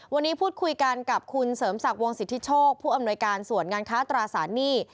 วันนี้พูดคุยกันกับคุณเสริมศักดิ์วงสิทธิโชคผู้อำนวยการส่วนงานค้าตราสารหนี้